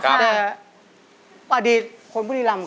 เพื่อจะไปชิงรางวัลเงินล้าน